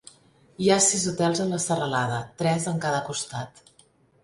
Hi ha sis hotels en la serralada, tres en cada costat.